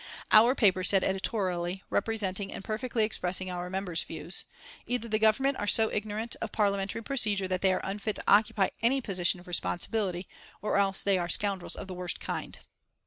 Our paper said editorially, representing and perfectly expressing our member's views: "Either the Government are so ignorant of Parliamentary procedure that they are unfit to occupy any position of responsibility, or else they are scoundrels of the worst kind."